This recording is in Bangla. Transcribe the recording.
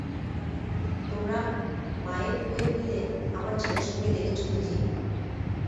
তোমরা মায়ে পোয়ে মিলে আমার ছেলের সঙ্গে লেগেছ বুঝি।